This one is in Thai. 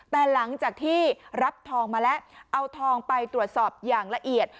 แต่หลังจากที่รับทองมาแล้วเอาทองไปตรวจสอบอย่างละเอียด